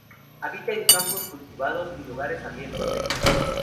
Habita en campos cultivados y lugares abiertos secos.